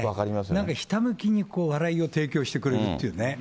なんかひたむきに笑いを提供してくれるっていうね。